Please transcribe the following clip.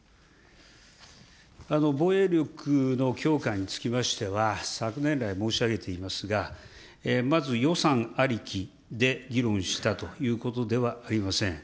防衛力の強化につきましては、昨年来申し上げていますが、まず予算ありきで議論したということではありません。